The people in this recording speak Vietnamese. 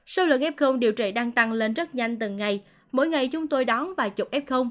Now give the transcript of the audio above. số lượng f điều trị đang tăng lên rất nhanh từng ngày mỗi ngày chúng tôi đón vài chục f